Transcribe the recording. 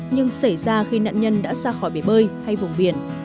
nhưng xảy ra khi nạn nhân đã ra khỏi bể bơi hay vùng biển